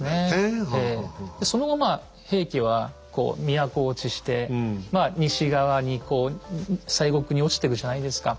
その後まあ平家は都落ちしてまあ西側に西国に落ちてくじゃないですか。